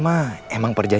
mak emang ke rumah